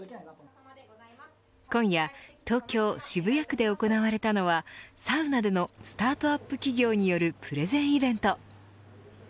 今夜東京、渋谷区で行われたのはサウナでのスタートアップ企業によるプレゼンイベント。